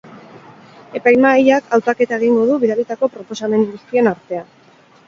Epaimahaiak hautaketa egingo du bidalitako proposamen guztien artean.